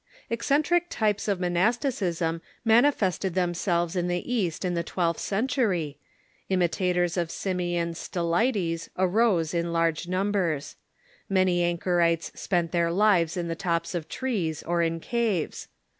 Eccentric types of monasticism manifested themselves in the East in the twelfth century. Imitators of Simeon Sty lites arose in large numbers. Many anchorites spent their lives in the tops of trees, or in caves.